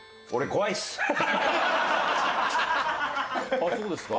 あっそうですか。